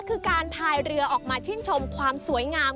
คือการพายเรือออกมาชื่นชมความสวยงาม